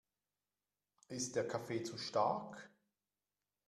Ist der Kaffee zu stark?